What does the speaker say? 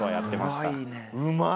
うまい。